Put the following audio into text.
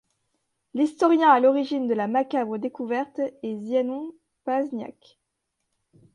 L'historien à l'origine de la macabre découverte est Zianon Pazniak.